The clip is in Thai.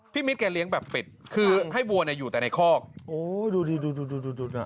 พี่มิตรแกเลี้ยงแบบปิดคือให้วัวอยู่แต่ในคอกดูดูดู